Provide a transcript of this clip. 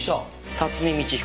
辰巳通彦。